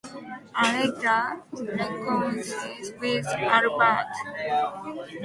Allegra reconciles with Albert.